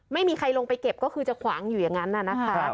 ไม่มีใครลงไปเก็บก็คือจะขวางอยู่อย่างนั้นนะคะ